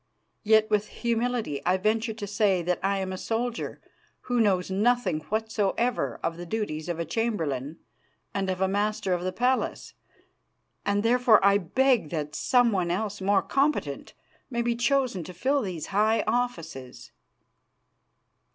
Yet with humility I venture to say that I am a soldier who knows nothing whatsoever of the duties of a chamberlain and of a Master of the Palace, and, therefore, I beg that someone else more competent may be chosen to fill these high offices."